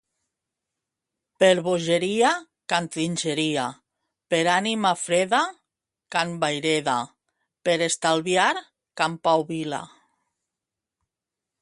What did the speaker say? Per bogeria, Can Trinxeria; per ànima freda, Can Vayreda; per estalviar, Can Pau Vilà.